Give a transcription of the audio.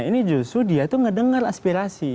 ini justru dia itu ngedengar aspirasi